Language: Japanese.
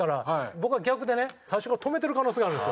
僕は逆でね最初から止めてる可能性があるんですよ。